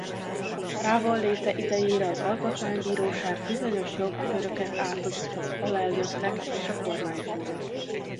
Távolléte idejére az alkotmánybíróság bizonyos jogköröket átadott az alelnöknek és a kormányfőnek.